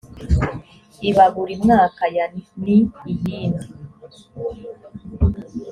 iba buri mwaka ya ni iyindi